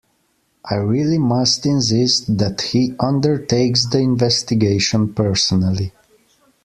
I really must insist that he undertakes the investigation personally.